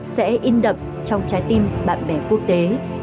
sẽ in đậm trong trái tim bạn bè quốc tế